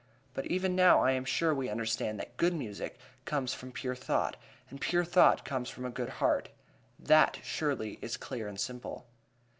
But even now I am sure we understand that good music comes from pure thought, and pure thought comes from a good heart. That, surely, is clear and simple.